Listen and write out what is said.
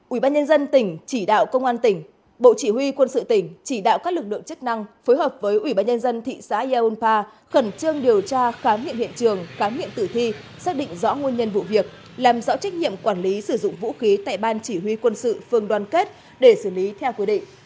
ubnd tỉnh chỉ đạo công an tỉnh bộ chỉ huy quân sự tỉnh chỉ đạo các lực lượng chức năng phối hợp với ubnd thị xã ya ulpa khẩn trương điều tra khám nghiệm hiện trường khám nghiệm tử thi xác định rõ nguồn nhân vụ việc làm rõ trách nhiệm quản lý sử dụng vũ khí tại ban chỉ huy quân sự phường đoàn kết để xử lý theo quy định